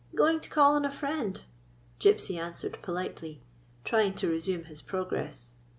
" Going to call on a friend," Gypsy answered politely, trying to resume his progress.